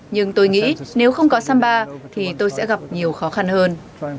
nhưng tôi nghĩ nếu không có samba thì tôi sẽ gặp nhiều khó khăn hơn